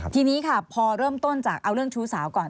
ทีนี้ค่ะพอเริ่มต้นจากเอาเรื่องชู้สาวก่อน